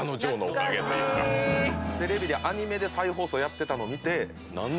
テレビでアニメで再放送やってたの見て何だ？